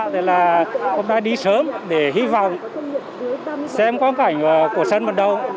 thế là hôm nay đi sớm để hy vọng xem quan cảnh của sân vận động